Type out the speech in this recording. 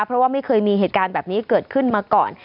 เพราะว่าไม่เคยมีเหตุการณ์แบบนี้เกิดขึ้นมาก่อน